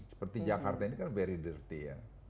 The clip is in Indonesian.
seperti jakarta ini kan very derty ya